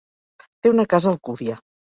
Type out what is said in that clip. Té una casa a Alcúdia.